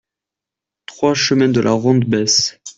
trois chemin de la Ronde Besse